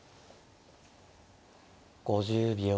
５０秒。